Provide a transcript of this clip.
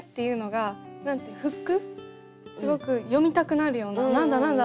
すごく読みたくなるような「何だ何だ？」